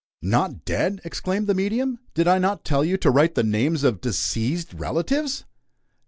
"Not dead!" exclaimed the medium. "Did I not tell you to write the names of deceazed relatives?"